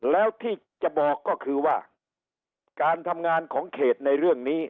แล้วที่จะบอกก็คือว่าการทำงานของเขตในเรื่องนี้